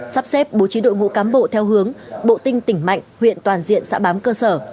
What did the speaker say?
sắp xếp bố trí đội ngũ cán bộ theo hướng bộ tinh tỉnh mạnh huyện toàn diện xã bám cơ sở